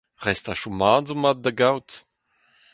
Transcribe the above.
Restajoù mat zo mat da gaout.